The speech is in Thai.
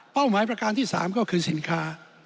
หมายประการที่๓ก็คือสินค้า